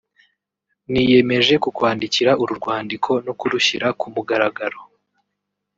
niyemeje kukwandikira uru rwandiko no kurushyira ku mugaragaro